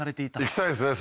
行きたいですね